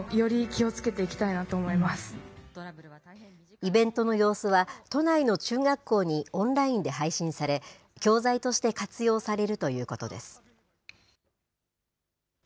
イベントの様子は、都内の中学校にオンラインで配信され、教材として活用されるとい次です。